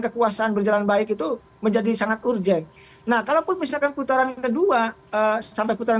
kekuasaan berjalan baik itu menjadi sangat urgent nah kalaupun misalkan putaran kedua sampai putaran